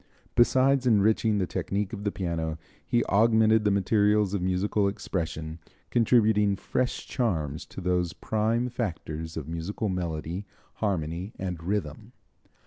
Besides enriching the technique of the piano, he augmented the materials of musical expression, contributing fresh charms to those prime factors of music melody, harmony and rhythm.